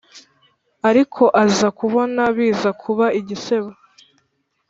ariko aza kubona biza kuba igisebo